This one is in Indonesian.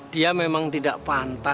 dia memang tidak ada yang bisa mencari kakek